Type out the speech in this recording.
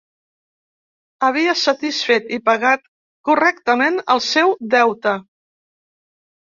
Havia satisfet i pagat correctament el seu deute.